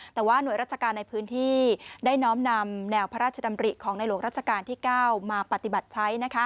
แต่ว่าหน่วยราชการในพื้นที่ได้น้อมนำแนวพระราชดำริของในหลวงรัชกาลที่๙มาปฏิบัติใช้